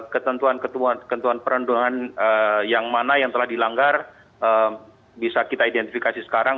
ketentuan ketentuan perundungan yang mana yang telah dilanggar bisa kita identifikasi sekarang